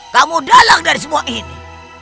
kamu dalang dari semua ini